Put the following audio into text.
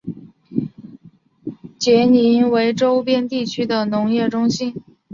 杰宁为周边地区的农业中心。